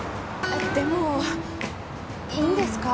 えっでもいいんですか？